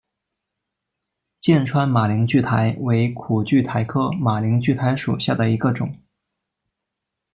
剑川马铃苣苔为苦苣苔科马铃苣苔属下的一个种。